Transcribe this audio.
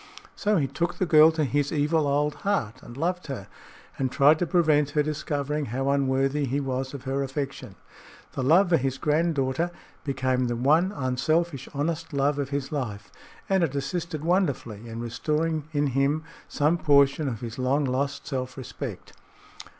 So he took the girl to his evil old heart, and loved her, and tried to prevent her discovering how unworthy he was of her affection. The love for his granddaughter became the one unselfish, honest love of his life, and it assisted wonderfully in restoring in him some portion of his long lost self respect.